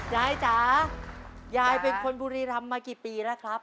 จ๋ายายเป็นคนบุรีรำมากี่ปีแล้วครับ